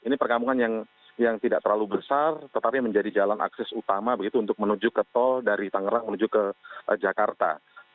ini perkampungan yang tidak terlalu besar tetapi menjadi jalan akses utama begitu untuk menuju ke tol dari tangerang menuju ke jakarta